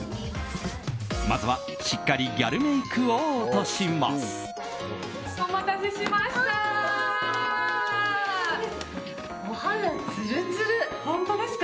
まずは、しっかりギャルメイクを落とします。